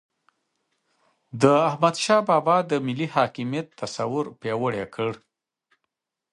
د احمد شاه بابا د ملي حاکمیت تصور پیاوړی کړ.